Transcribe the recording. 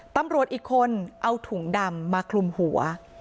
ตำรวจอีกคนเอาถุงดำมาคลุมหัว